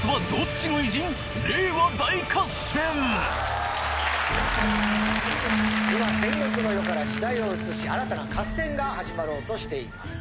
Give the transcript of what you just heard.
今戦国の世から時代を移し新たな合戦が始まろうとしています。